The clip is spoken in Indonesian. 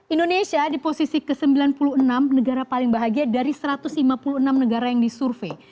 indonesia di posisi ke sembilan puluh enam negara paling bahagia dari satu ratus lima puluh enam negara yang disurvey